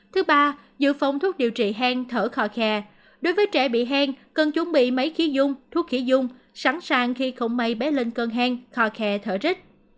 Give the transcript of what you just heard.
thứ ba dự phòng thuốc điều trị hen thở khò khè đối với trẻ bị hen cần chuẩn bị máy khí dung thuốc khí dung sẵn sàng khi không may bé lên cơn hen khò khè thở rít